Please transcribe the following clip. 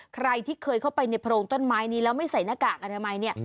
ใครที่เคยเข้าไปในโพรงต้นไม้นี้แล้วไม่ใส่หน้ากากอนามัยเนี่ย